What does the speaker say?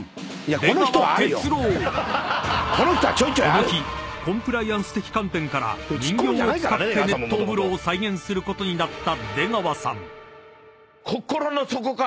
［この日コンプライアンス的観点から人形を使って熱湯風呂を再現することになった出川さん］